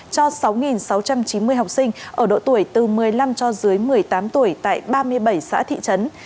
cho sáu sáu trăm chín mươi học sinh ở độ tuổi từ một mươi năm cho dưới một mươi tám tuổi tại ba mươi bảy xã thị trấn